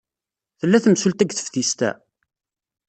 Tella temsulta deg teftist-a?